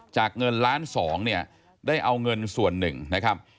เงินล้านสองเนี่ยได้เอาเงินส่วนหนึ่งนะครับ